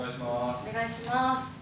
お願いします